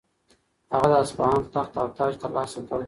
هغه د اصفهان تخت او تاج ترلاسه کړ.